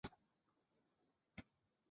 在场上的位置是边锋和攻击型中场。